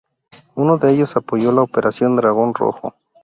Uno de ellos apoyó la Operación Dragón Rojo.